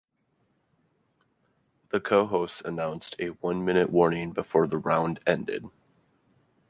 The co-host announced a one-minute warning before the round ended.